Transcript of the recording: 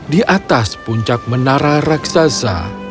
di atas puncak menara raksasa